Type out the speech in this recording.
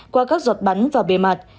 qua các giọt bắn vào bề mặt